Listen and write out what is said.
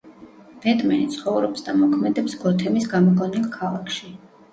ბეტმენი ცხოვრობს და მოქმედებს გოთემის გამოგონილ ქალაქში.